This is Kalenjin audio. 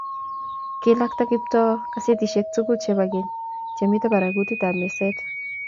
kilakta Kiptoo gasetinik tugul chebo keny che kimito barakutab meset